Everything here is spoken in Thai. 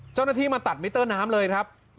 เจ้าหน้าที่มาตัดมิเตอร์น้ำเลยครับ